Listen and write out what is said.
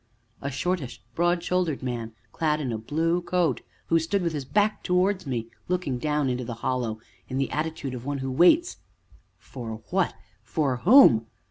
A shortish, broad shouldered man, clad in a blue coat, who stood with his back towards me, looking down into the Hollow, in the attitude of one who waits for what? for whom?